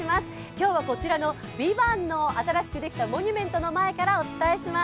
今日はこちらの「ＶＩＶＡＮＴ」の新しくできたモニュメントの前からお伝えします。